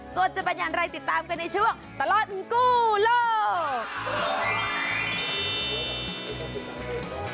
ส่วนจะเป็นอย่างไรติดตามกันในช่วงตลอดกู้โลก